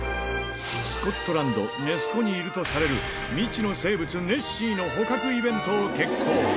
スコットランド・ネス湖にいるとされる未知の生物、ネッシーの捕獲イベントを決行。